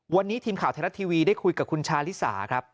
วันนี้ทีมข่าวไทยรัฐทีวีได้คุยกับคุณชาลิสาครับ